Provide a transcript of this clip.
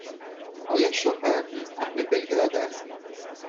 آیا شوهرت نیز اهل بلگراد است؟